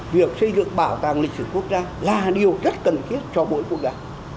việc xây dựng bảo tàng lịch sử quốc gia là điều rất cần thiết cho mỗi quốc gia